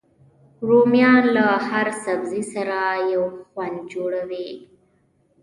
رومیان له هر سبزي سره یو خوند جوړوي